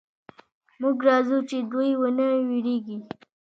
موږ راځو چې دوئ ونه وېرېږي.